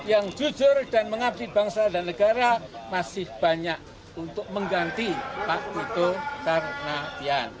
yang jujur dan mengabdi bangsa dan negara masih banyak untuk mengganti pak tito karnavian